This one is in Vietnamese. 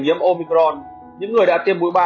đã bị nhiễm omicron những người đã tiêm mũi ba